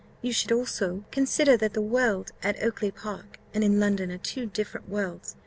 You should also consider that the world at Oakly park and in London are two different worlds.